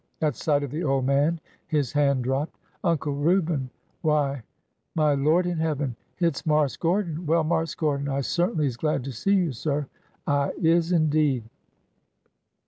At sight of the old man his hand dropped. "Uncle Reuben! Why "" My Lord in heaven 1 Hit 's Marse Gordon 1 Well, Marse Gordon, I cert'n'y is glad to see you, sir! I is, indeed!"